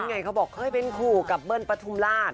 นี่ไงเขาบอกเคยเป็นครูกับเบิ้ลประทุมราช